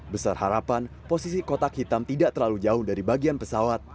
besar harapan posisi kotak hitam tidak terlalu jauh dari bagian pesawat